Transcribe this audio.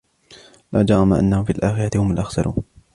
لا جرم أنهم في الآخرة هم الأخسرون